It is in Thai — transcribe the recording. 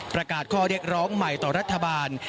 ประกาศข้อเรียกร้องใหม่ต่อรัฐบาล